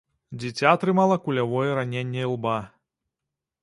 Дзіця атрымала кулявое раненне ілба.